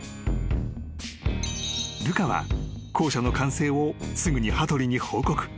［ルカは校舎の完成をすぐに羽鳥に報告］